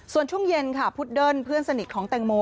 ส่วนช่วงเย็นค่ะพุดเดิ้ลเพื่อนสนิทของแตงโม